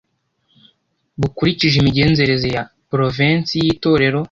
bukurikije imigenzereze ya porovensi y itorero